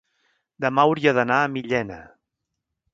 Demà hauria d'anar a Millena.